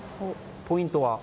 ポイントは？